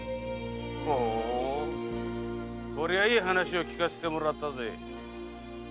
〔ほうこりゃいい話を聞かせてもらったぜ〕